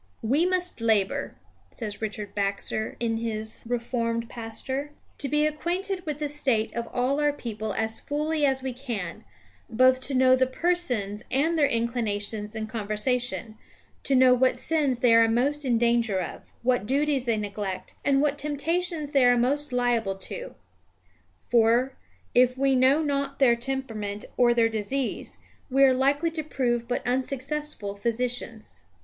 "We must labour," says Richard Baxter in his Reformed Pastor, "to be acquainted with the state of all our people as fully as we can; both to know the persons and their inclinations and conversation; to know what sins they are most in danger of, what duties they neglect, and what temptations they are most liable to. For, if we know not their temperament or their disease, we are likely to prove but unsuccessful physicians."